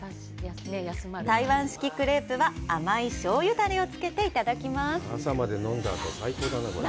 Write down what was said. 台湾式クレープは、甘い醤油だれをつけていただきます。